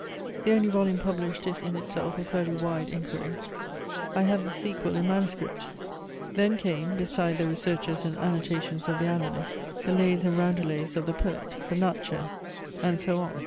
The only volume published is in itself a fairly wide inquiry; I had the sequel in manuscript; then came, beside the researches and annotations of the annalist, the lays and roundelays of the poet, the Natchez, and so on.